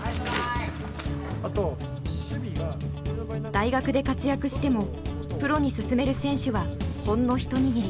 大学で活躍してもプロに進める選手はほんの一握り。